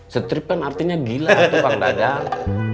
strip kan artinya gila tuh bang dadang